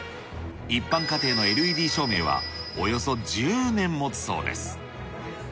一般家庭のＬＥＤ照明はおよそ１０年もつそうです。